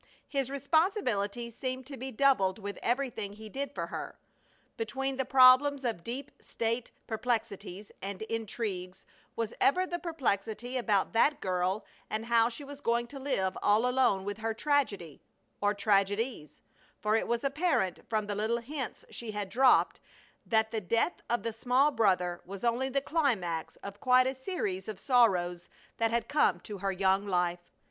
His responsibility seemed to be doubled with everything he did for her. Between the problems of deep state perplexities and intrigues was ever the perplexity about that girl and how she was going to live all alone with her tragedy or tragedies for it was apparent from the little hints she had dropped that the death of the small brother was only the climax of quite a series of sorrows that had come to her young life.